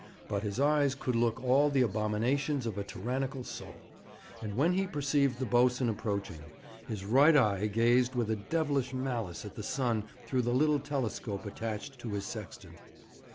But his eyes could look all the abominations of a tyrannical soul; and when he perceived the boatswain approaching, his right eye gazed with a devilish malice at the sun through the little telescope attached to his sextant.